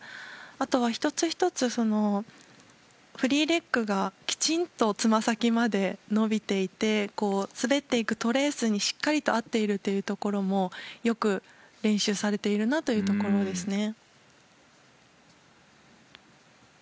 あとは１つ１つフリーレッグがきちんとつま先まで伸びていて滑っていくトレースにしっかりと合っているところもよく練習されているなというところですね。